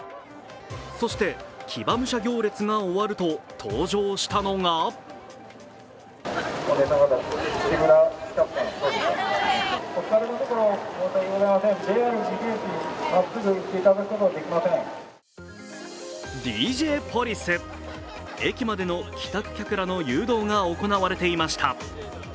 そして、騎馬武者行列が終わると、登場したのがＤＪポリス、駅までの帰宅客らの誘導が行われていました。